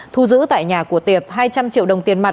thu giữ tại nhà của tiệp hai trăm linh triệu đồng tiền mặt